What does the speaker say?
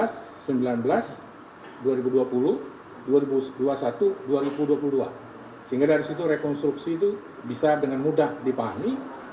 sehingga dari situ rekonstruksi itu bisa dengan mudah dipahami